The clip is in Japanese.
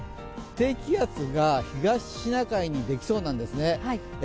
低気圧が東シナ海にできそうなんです。